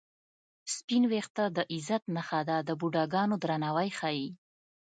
سپین وېښته د عزت نښه ده د بوډاګانو درناوی ښيي